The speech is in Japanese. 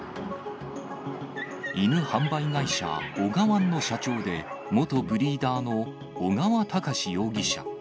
犬販売会社、おがわんの社長で、元ブリーダーの尾川隆容疑者。